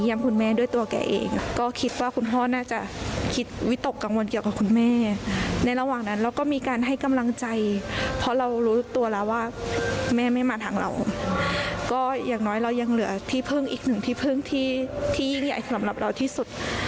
อย่างน้อยเรายังเหลือที่พึ่งอีกหนึ่งที่พึ่งที่ยิ่งใหญ่สำหรับเราที่สุด